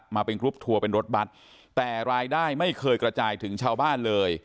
มาเป็นกรุ๊ปทัวร์เป็นรถบัตรแต่รายได้ไม่เคยกระจายถึงชาวบ้านเลย